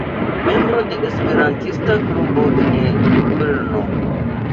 Membro de Esperantista klubo en Brno.